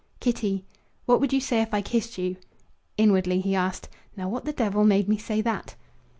"Kitty, what would you say if I kissed you?" Inwardly he asked: "Now, what the devil made me say that?"